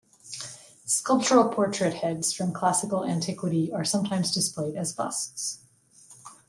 Sculptural portrait heads from classical antiquity are sometimes displayed as busts.